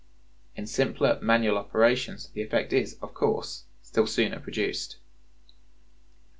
In simpler manual operations the effect is, of course, still sooner produced.